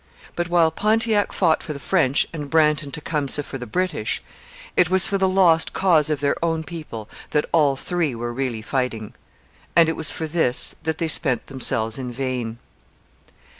But, while Pontiac fought for the French and Brant and Tecumseh for the British, it was for the lost cause of their own people that all three were really fighting; and it was for this that they spent themselves in vain.